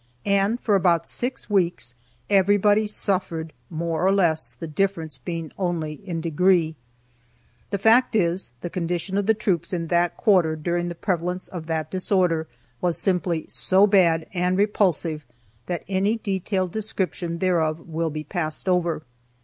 And for about six weeks everybody suffered, more or less, the difference being only in degree. The fact is, the condition of the troops in that quarter during the prevalence of that disorder was simply so bad and repulsive that any detailed description thereof will be passed over.